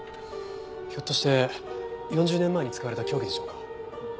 ひょっとして４０年前に使われた凶器でしょうか？